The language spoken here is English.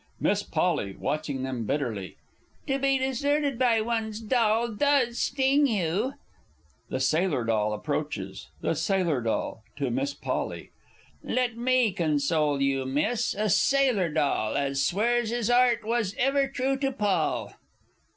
_ Miss P. (watching them bitterly). To be deserted by one's doll does sting you! [The Sailor D. approaches. The Sailor D. (to Miss P.) Let me console you, Miss, a Sailor Doll As swears his 'art was ever true to Poll!